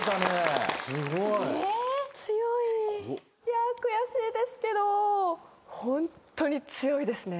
いや悔しいですけどホントに強いですね。